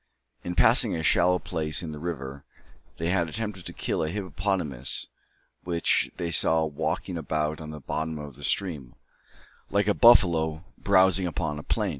In passing a shallow place in the river, they had attempted to kill a hippopotamus which they saw walking about on the bottom of the stream, like a buffalo browsing upon a plain.